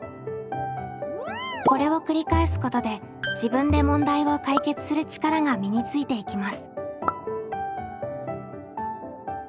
これを繰り返すことで「自分で問題を解決する力」が身についていきます。